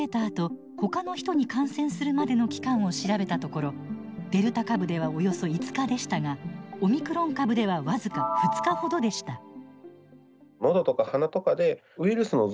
あとほかの人に感染するまでの期間を調べたところデルタ株ではおよそ５日でしたがオミクロン株では僅か２日ほどでした。